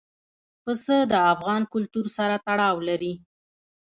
پسه د افغان کلتور سره تړاو لري.